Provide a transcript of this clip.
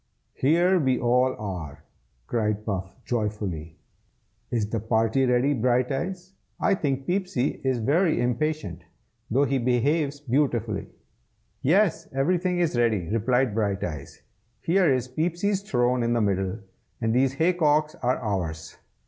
"Here we all are!" cried Puff, joyfully. "Is the party ready, Brighteyes? I think Peepsy is very impatient, though he behaves beautifully." "Yes, everything is ready!" replied Brighteyes. "Here is Peepsy's throne in the middle, and these hay cocks are ours.